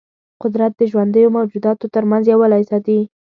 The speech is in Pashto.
قدرت د ژوندیو موجوداتو ترمنځ یووالی ساتي.